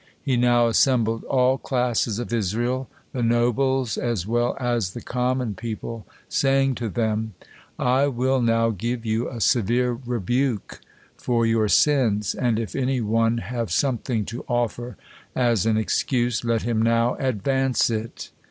He now assembled all classes of Israel, the nobles as well as the common people, saying to them: "I will now give you a severe rebuke for your sins, and if any one have something to offer as an excuse, let him now advance it."